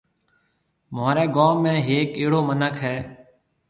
مهوريَ گوم ۾ هيَڪ اهڙو مِنک هيَ۔